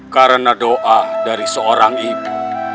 karena doa dari seorang ibu